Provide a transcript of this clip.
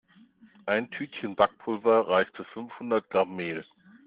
Ein Tütchen Backpulver reicht für fünfhundert Gramm Mehl.